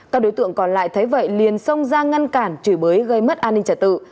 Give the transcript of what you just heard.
các đối tượng còn lại thấy vậy liền xông ra ngăn cản chửi bới gây mất an ninh trả tự